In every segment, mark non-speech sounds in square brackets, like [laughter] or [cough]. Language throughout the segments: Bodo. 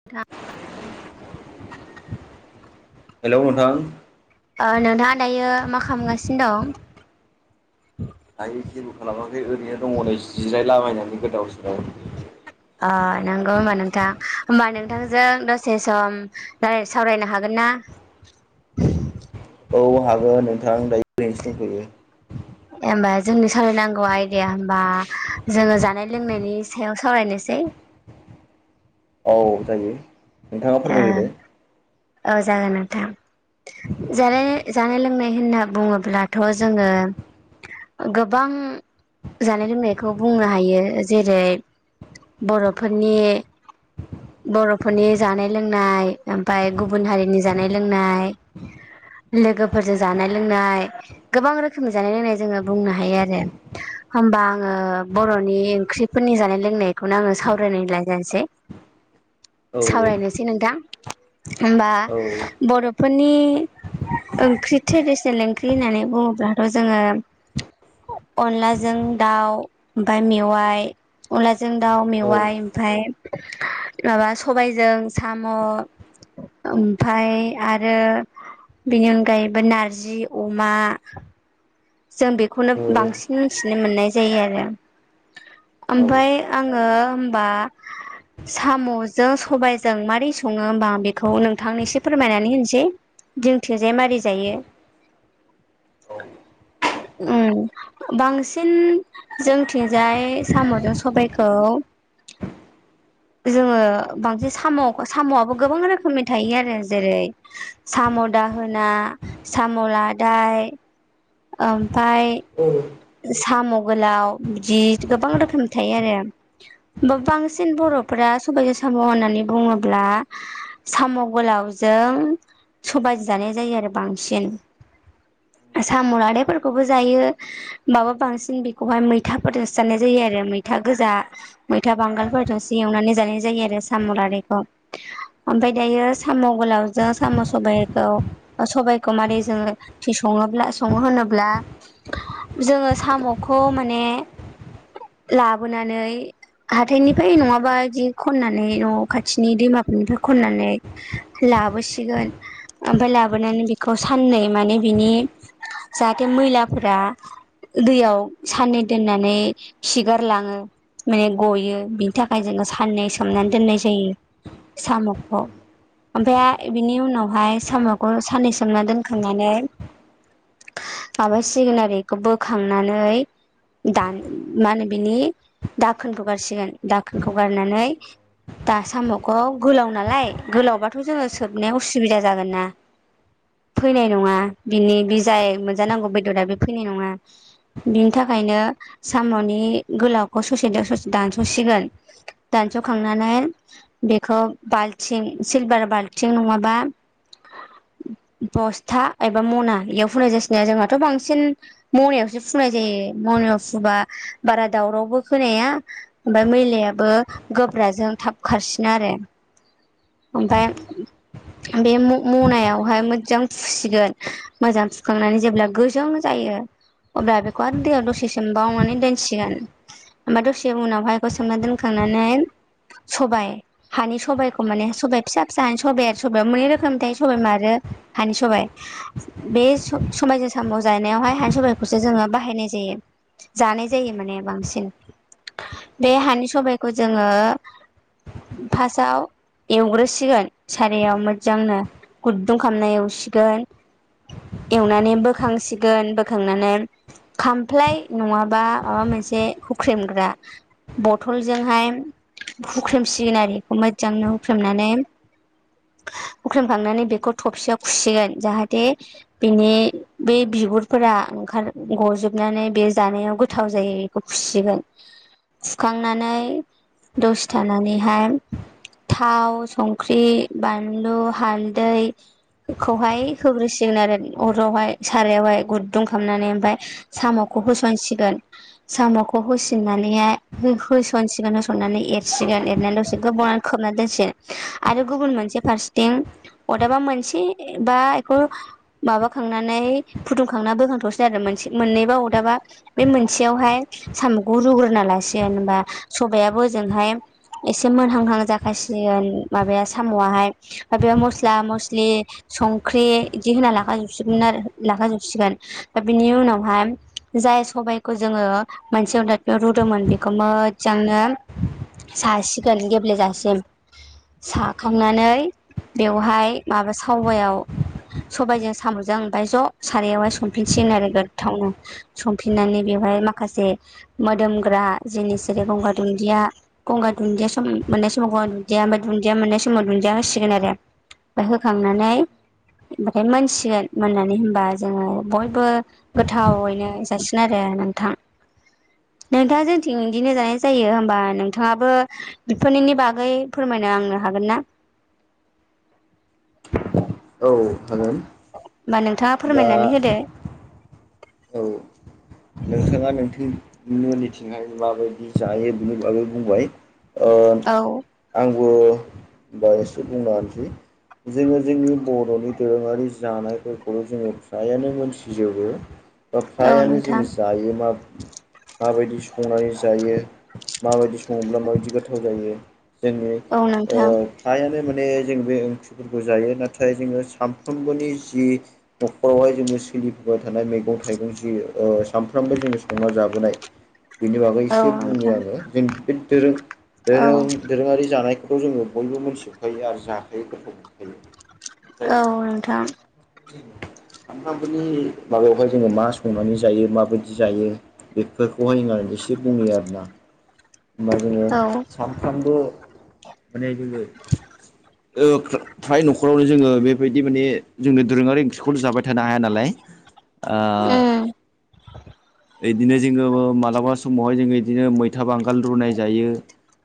[unintelligible] हेलौ नोंथां। ओ नोंथाङा दायो मा खालामगासिनो दं? दायो जेबो खालामाखै ओरैनो दङ नै जिरायलाबायनानै गोदाव सोराव। आ नंगौ होनबा नोंथां होमबा नोंथांजों दसे सम राय सावरायनो हागोन ना? औ हागोन नोंथां दायो ओरैनोसो दंथ'यो। ओमबा जोंनि सावरायनांगौ आयदाया होमबा जोङो जानाय लोंनायनि सायाव सावरायनोसै। औ जायो नोंथाङा ओ फोरमायग्रोदो। औ जागोन नोंथां। जानाय जानाय लोंनाय होनना बुङोब्लाथ' जोङो गोबां जानाय लोंनायखौ बुंनो हायो जेरै बर'फोरनि बर'फोरनि जानाय लोंनाय ओमफ्राय गुबुन हारिनि जानाय लोंनाय। लोगोफोरजों जानाय लोंनाय गोबां रोखोमनि जानाय लोंनाय जोङो बुंनो हायो आरो होमबा आङो बर'नि ओंख्रिफोरनि जानाय लोंनायखौनो आङो सावरायनायलायनोसै। औ सावरायनोसै नोंथां होमबा औ बर'फोरनि ओंख्रि ट्रेडिसनेल ओंख्रि होननानै बुङोब्लाथ' जोङो अनलाजों दाउ, ओमफाय मेवाइ। अनलाजों दाउ, औ मेवाइ ओमफाय माबा स सबायजों साम' ओमफाय आरो बेनि अनगायैबो नारजि अमा जों बेखौनो औ बांसिन मिथिनो मोननाय जायो आरो। ओमफाय आङो ओमबा साम'जों सबायजों मारै सङो होमबा बेखौ नोंथांनो एसे फोरमायनानै होनोसै। जोंनिथिंजाय मारै जायो? उम बांसिन। जोंथिंजाय साम'जों सबायखौ जोङो बांसिन साम' साम'आबो गोबां रोखोमनि थायो आरो जेरै साम' दाहोना, साम' लादाय। ओमफाय औ साम' गोलाव बिदि गोबां रोखोम थायो आरो। बा बांसिन बर'फोरा सबायजों साम' होननानै बुङोब्ला साम' गोलावजों सबायजो जानाय जायो आरो बांसिन। साम' लादायफोरखौबो जायो माबा बांसिन बेखौहाय मैथाफोरजोंसो जानाय जायो आरो मैथा गोजा मैथा बांगालफोरजोंसो एवनानै जानाय जायो आरो साम' लादायखौ। ओमफ्राय दायो साम' गोलावजों साम' सबायखौ ओ सबाइखौ मारै जोङो थि सङोब्ला सङो होनोब्ला जोङो साम'खौ माने लाबोनानै हाथायनिफ्राय नङाबा बिदि खननानै न' खाथिनि दैमाफोरनिफ्राय खननानै लाबोसिगोन ओमफाय लाबोनानै बेखौ साननै माने बिनि जाहाथे मैलाफोरा दैयाव साननै दोननानै खिगारलाङो। माने ग'यो बिनि थाखाय जोङो साननै सोमनानै दोननाय जायो साम'खौ। ओमफ्राया बिनि उनावहाय साम'खौ साननै सोमना दोनखांनानै माबासिगोन आरो बेखौ बोखांनानै दान मा होनो बिनि दाखोनखौ गारसिगोन दाखोनखौ गारनानै दा साम'खौ गोलाव नालाय गोलावबाथ' जोङो सोबनाय उसुबिदा जागोन ना? फैनाय नङा बिनि बे जाय मोनजानांगौ बेदरा बे फैनाय नङा बिनि थाखायनो साम'नि गोलावखौ ससेदों ससे दानस'सिगोन दानस'खांनानै बेखौ बाल्थिं सिलभार बाल्थिं नङाबा ब'स्था एबा मना बेयाव फुनाय जासिनो जोंहाथ' बांसिन मनायावसो फुनाय जायो मनायाव फुबा बारा दावरावबो खोनाया ओमफाय मैलायाबो गोब्राजों थाब खारसिनो आरो। ओमफाय बे म मनायावहाय मोजां फुसिगोन मोजां फुखांनानै जेब्ला गोजों जायो अब्ला बेखौ आरो दैयाव दसे सोमबावनानै दोनसिगोन। ओमफाय दसे उनावहाय बेखौ सोमना दोनखांनानै सबाय हानि सबाइखौ माने सबाय फिसा फिसा हानि सबाइ सबायाबो मोनै रोखोमनि थायो सबाइ बिमा आरो हानि सबाय बे स सबायजों साम' जानायावहाय हा सबाइखौसो जोङो बाहायनाय जायो। जानाय जायो माने बांसिन बे हानि सबायखौ जोङो फासाव एवग्रोसिगोन सारायाव मोजांनो गुद्दुं खालामना एवसिगोन। एवनानै बोखांसिग गोन बोखांनानै खामफ्लाय नङाबा माबा मोनसे हुख्रेमग्रा बथलजोंहाय हुख्रेमसिगोन आरो बेखौ मोजांनो हुख्रेमनानै हुख्रेमखांनानै बेखौ थबसिया खुसिगोन जाहाथे बिनि बै बिगुरफोरा ओंखार गजोबनानै बे जानायाव गोथाव जायैखौ खुसिगोन। सुखांनानै दसे थानानैहाय थाव, संख्रि, बानलु, हालदै खौहाय होग्रोसिगोन आरो अरावहाय। सारायावहाय गुद्दुं खालामनानै ओमफफ्राय साम'खौ होसनसिगोन। साम'खौ होसिननानैहाय हो होसनसिगोन होसननानै एरसिगोन एरनानै दसे गोबाव खोबना दोनसिगोन आरो गुबुन मोनसे फारसेथिं अदाबा मोनसे बा बेखौ माबाखांनानै फुदुंखांना बोखांथावसै आरो मोनसे मोननैबा अदाबा बे मोनसेयावहाय साम'खौ रुग्रोना लासिग होनबा सबायाबो ओजोंहाय एसे मोनहांहां जाखासिगोन माबाया साम'आहाय। माबेबा मस्ला मस्लि संख्रि इदि होना लाखा जोबसिगोमोन आरो। लाखाजोबसिगोन दा बिनि उनावहाय जाय सबायखौ जोङो मोनसे अदाफफियाव रुदोंमोन बेखौ मोजांनो सासिगालि गेब्लेेजासिम। साखांनानै बेवहाय माबा सावबायाव सबायजों साम'जों ओमफ्राय ज' सारायावहाय संफिनसिगोन आरो गोथावनो। संफिननानै बेवहाय माखासे मोदोमग्रा जिनिस जेरै गंगार दुुनदिया गंगार दुन्दिया सम मोननाय समाव गंगार दुन्दिया ओमफाय दुन्दिया मोननाय समाव दुन्दिया होसिगोन आरो। ओमफ्राय होखांनानै ओमबाथाय मोनसिगोन मोननानै होन होनबा जोङो बयबो गोथावैनो जासिन आरो नोंथां। नोंथाङा जोंनिथिं इदिनो जानाय जायो होमबा नोंथाङाबो बेफोरनिनि बागै फोरमायनो आंनो हागोन ना? औ हागोन। औ होमबा नोंथाङा दा फोरमायनानै होदो। औ नोंथाङा नोंथें मोननि थिं माबायदि जायो बिनि बागै बुंबाय। औ। आंबोबा एसे बुंना होसै। जोङो जोंनि बर'नि दोरोङारि जानायफोरखौल' जोङो फ्रायानो मोनथिजोबो। औ ओमफ्रायानो नोंथां जोङो जायो माब माबायदि संनानै जायो माबायदि सङोब्ला माबायदि गोथाव जायो। जोंनि औ नोंथां ओयो हायानो माने जों बे ओंख्रिफोरखौ जायो नाथाय जोङो सानफ्रोमबोनि जि न'खरावहाय जोङो सोलिबोबाय थानाय मैगं थ थाइगं जि ओ सानफ्रामबो जोङो संना जाबोनाय। बिनि बागै औ एसे बुंनि नोंथां आङो जों बे दोरों औ दोरों दोरोङारि जानायखौ खौ जोङो बयबो मोनथिजोबखायो आरो जाखायो गोथाव मोनखायो। औ नोंथां। सामफ्रामबोनि माबायावहाय जोङो मा संनानै जायो माबायदि जायो बेफोरखौहाय इंग्राज इसे बुंनि आरोना। होमबा जोङो औ सानफ्रामबो माने जोङो औ खो फ्राय न'खरावनो जोङो बेबायदि माने जोङो दोरोङारि ओंख्रिखौनो जाबाय थानो हाया नालाय ओ ओयो। बियाव लाबो आंनि। ओयदिनो जोङो मालाबा समावहाय जोङो इदिनो मैथा बांगाल रुनाय जायो।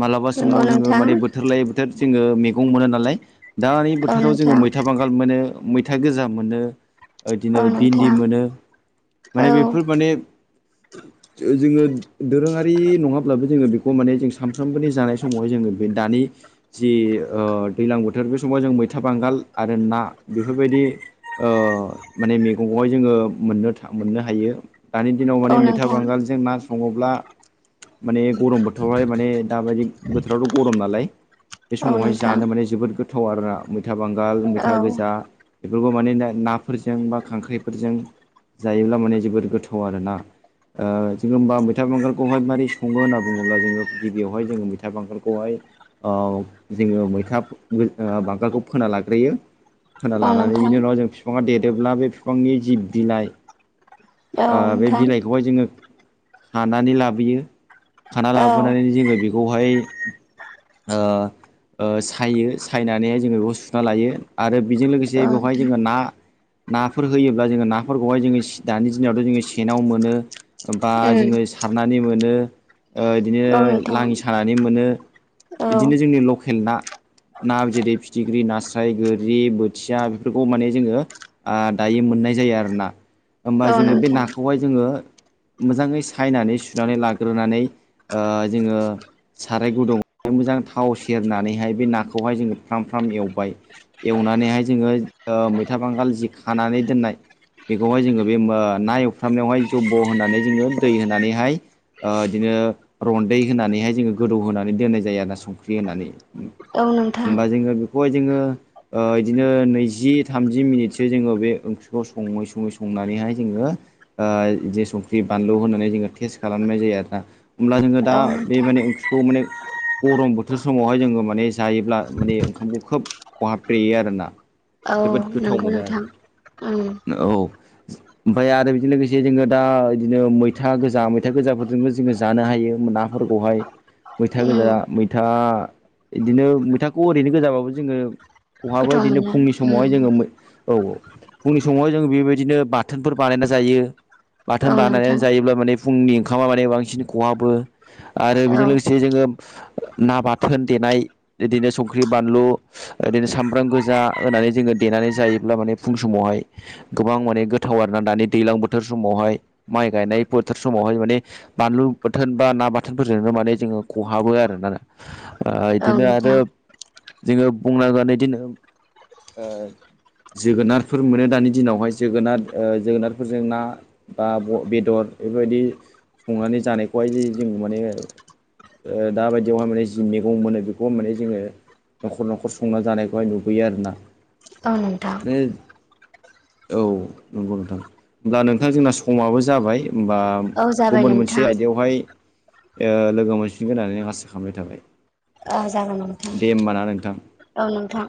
मालाबा नंगौ समाव जोङो नोंथां माने बोथोर लायै बोथोर जोङो मेगं मोना नालाय। दानि औ बोथोराव जोङो नोंथां मैथा बांगाल मोनो मैथा गोजा मोनो। ओ इदिनो औ भिन्दि नोंथां मोनो माने बेफोर माने जागोन दि। ओ जोङो दोरोङारि नङाब्लाबो जोङो बिखौ माने जों सानफ्रोमबोनि जानाय समावहाय जोङो बे दानि जि ओ दैलां बोथोर बे समाव जों मैथा बांगाल आरो ना बिफोरबायदि। ओयो माने मेगंखौहाय जोङो मोननो था मोननो हायो। दानि दिनाव औ माने मैथा नोंथां बांगालजों ना सङोब्ला मानेब गरम बोथोरावहाय माने दाबायदि बोथोरावथ' गरम नालाय बे औ समावहाय नोंथां जानो माने जोबोद गोथ थाव आरोना मैथा बांगाल औ मैथा गोजा। बिफोरखौ माने ना नाफोरजों बा खांख्राइफोरजों जायोब्ला माने जोबोर गोथाव आरोना। ओ जोङो होनोमबा मैथा बांगालखौहाय मारै सङो होनना बुङोब्ला जोङो गिबियावहाय जोङो मैथा बांगालखौहाय औव जोङो मैथा फो मुइल ओयो बांगालखौ फोना लाग्रोयो। फोना औ लानानै नोंथां बिनि उनाव जों बिफाङा देरोब्ला बे बिफांनि जिब बिलाइ ओ औ बे नोंथां बिलाइखौहाय जोङो खानानै लाबोयो खाना औ लाबोनानै जोङो बेख खौहाय ओ ओ साइयो सायनानैहाय जोङो बेखौ सुना लायो। आरो बेजों औ लोगोसे बेवहाय जोङो ना नाफोर होयोब्ला जोङो नाफोरखौहाय जोङो सि दानि दिनावथ' जोङो सेनाव मोनो बा उम जोङो सारनानै मोनो। ओ इदिनो औ नोंथां औ लाङि सानानै मोनो इदिनो जोंनि लकेल ना। ना जेरै फिथिख्रि नास्राय गोरि बोथिया बेफोरखौ माने जोङो आ दायो मोननाय जायो आरोना होमबा जोङो बे औ नाखौहाय जोङो मोजाङै सायनानै सुनानै लाग्रोनानै ओयो जोङो साराय गुदुं मोजां थाव सेरनानैहाय बे नाखौहाय जोङो फ्राम फ्राम एवबाय। एवनानैहाय जोङो ओ मैथा बांगाल जि खानानै दोननाय बेखौहाय जोङो बे मो ना एवफ्रामनायावहाय जब' होनानै जोङो दै होनानैहाय ओ इदिनो रन्दै होनानैहाय जोङो गोदौ होनानै दोननाय जायो आरोना संख्रि होनानै। उम नोंथां औ होमबा नोंथां जोङो बेखौहाय जोङो ओ इदिनो नैजि थामजि मिनिटसो जोङो बे ओंख्रिखौ सङै सङै संनानैहाय जोङो ओ जे संख्रि बानलु होनानै जोङो टेस्ट खालामनाय जायो आरोना। होमब्ला जोङो दा औ बे नोंथां माने ओंख्रिखौ माने गरम बोथोर समावहाय जोङो माने जायोब्ला माने ओंखामखौ खोब खहाबब्रेयो आरोना। औ जोबोद गोथाव नंगौ मोनो नोंथां उम आरो। औ। ओमफ्राय आरो बेजों लोगोसे जोङो दा इदिनो मैथा गोजा मैथा गोजाफोरजोंबो जोङो जानो हायो मोना फोरखौहाय मैथा उम गोजा मैथा इदिनो मैथाखौ ओरैनो गोजाबाबो जोङो खहाबो गोथाव इदिनो मोनो फुंनि समावहाय उम जोङो मै औ फुंनि समावहाय जों बेबायदिनो बाथ थोनफोर बानायना जायो। बाथोन औ बानायनानै नोंथां जायोब्ला माने फुंनि ओंखामा माने बांसिन खहाबो। आरो औ बेजों लोगोसे जोङो ना बाथोन देनाय इदिनो संख्रि बानलु ओदिनो सामब्राम गोजा होनानै जोङो देनानै जायोब्ला माने फुं समावहाय गोबां माने गोथ थाव आरोना दानि दैलां बोथोर समावहाय माइ गायनाय बोथोर समावहाय माने बानलु बाथोन बा ना बाथोनफोरजोंनो माने जोङो खहाबो आरोना। ओ औ इदिनो आरो नोंथां जोङो बुंनांगोन इदिनो ओ जोगोनारफोर मोनो दानि दिनावहाय जोगोनार। ओ जोगोनारफोरजों ना बा ब बेदर इफोरबायदि संनानै जानायखौहाय जों माने ओ दाबादियावहाय माने जि मैगं मोनो बेखौ माने जोङो न'खर न'खर संना जानायखौहाय नुबोयो आरोना। [unintelligible] माने औ। नंगौ नोंथां होमब्ला नोंथां जोंना समाबो जाबाय होमबा औ जाबाय गुबुन मोनसे नोंथां आयदायावहाय ओ लोगो मोनफिनगोन होननानै आं आसा खामनाय थाबाय। ओं जागोन नोंथां दे होमबा ना नोंथां ओं नोंथां।